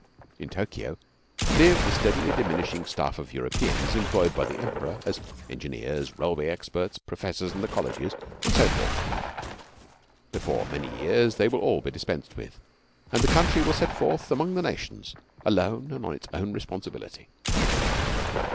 In Tokio live the steadily diminishing staff of Europeans employed by the Emperor as engineers, railway experts, professors in the colleges and so forth. Before many years they will all be dispensed with, and the country will set forth among the nations alone and on its own responsibility.